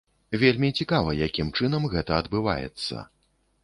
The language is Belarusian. Вельмі цікава, якім чынам гэта адбываецца.